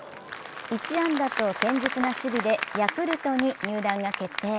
１安打と堅実な守備でヤクルトに入団が決定。